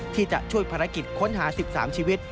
ที่จะช่วยภารกิจค้นหา๑๓ชีวิต